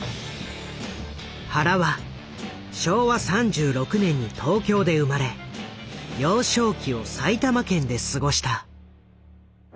原は昭和３６年に東京で生まれ幼少期を埼玉県で過ごした。